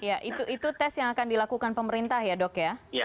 ya itu tes yang akan dilakukan pemerintah ya dok ya